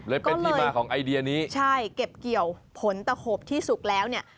เลยเป็นที่มาของไอเดียนี้ใช่เก็บเกี่ยวผลตะขบที่สุกแล้วเนี่ย